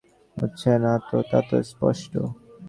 কিন্তু এই বিধি যে যথাযথভাবে মানা হচ্ছে না, তা তো স্পষ্ট।